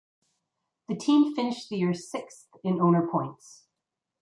The team finished the year sixth in owner points.